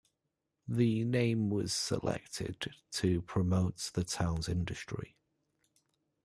The name was selected to promote the town's industry.